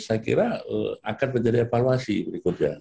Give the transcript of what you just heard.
saya kira akan menjadi evaluasi berikutnya